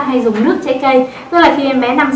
hay dùng nước trái cây tức là khi em bé nằm